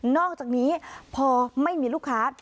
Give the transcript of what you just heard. อกจากนี้พอไม่มีลูกค้า